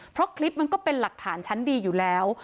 เพราะคลิปมันก็เป็นหลักฐานชั้นดีอยู่แล้ว